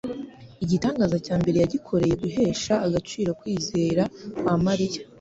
Igitangaza cya mbere yagikoreye guhesha agaciro kwizera kwa Mariya,